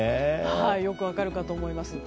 よく分かるかと思います。